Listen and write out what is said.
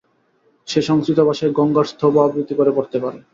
সে সংস্কৃতভাষায় গঙ্গার স্তব আবৃত্তি করে পড়তে পারে।